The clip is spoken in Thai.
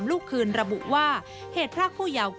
จึงเผยแพร่คลิปนี้ออกมา